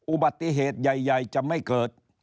อุบัติเหตุใหญ่จะไม่เกิด